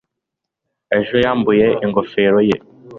ejo yambuye ingofero ye